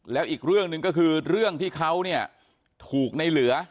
แล้วอีกเรื่องหนึ่งก็คือเรื่องที่เขาเนี่ยถูกในเหลือ